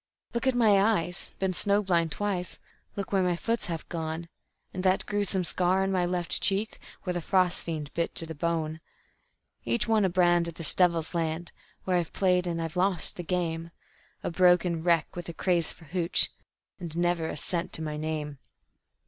"Look at my eyes been snow blind twice; look where my foot's half gone; And that gruesome scar on my left cheek, where the frost fiend bit to the bone. Each one a brand of this devil's land, where I've played and I've lost the game, A broken wreck with a craze for `hooch', and never a cent to my name.